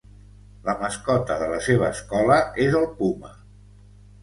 La mascota de la seva escola és el puma.